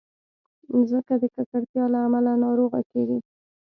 مځکه د ککړتیا له امله ناروغه کېږي.